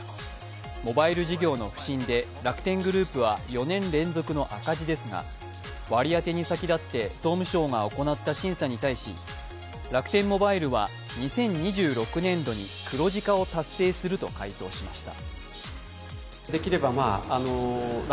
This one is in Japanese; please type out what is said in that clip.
モバイル事業の不振で楽天グループは４年連続の赤字ですが割り当てに先立って、総務省が行った審査に対し、楽天モバイルは２０２６年度に黒字化を達成すると回答しました。